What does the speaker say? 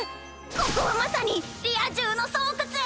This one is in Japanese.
ここはまさにリア充の巣窟！